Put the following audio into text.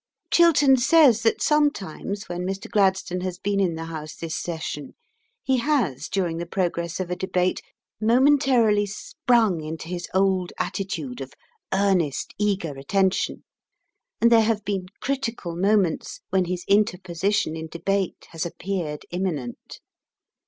Chiltern says that sometimes when Mr. Gladstone has been in the House this Session he has, during the progress of a debate, momentarily sprung into his old attitude of earnest, eager attention, and there have been critical moments when his interposition in debate has appeared imminent.